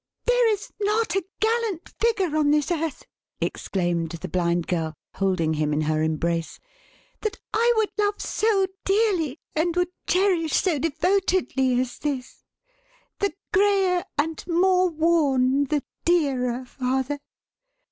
"There is not a gallant figure on this earth," exclaimed the Blind Girl, holding him in her embrace, "that I would love so dearly, and would cherish so devotedly, as this! The greyer, and more worn, the dearer, father!